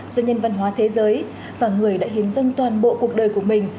giữa nhân văn hóa thế giới và người đã hiến dân toàn bộ cuộc đời của mình